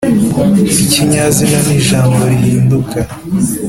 ikinyazina ni ijambo rihinduka